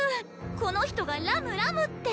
この人がラムラムって。